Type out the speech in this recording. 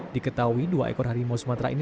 diketahui dua ekor harimau sumatera ini